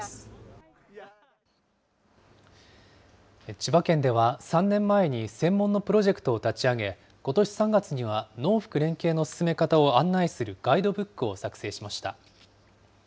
千葉県では、３年前に専門のプロジェクトを立ち上げ、ことし３月には農福連携の進め方を案内するガイドブックを作成しました。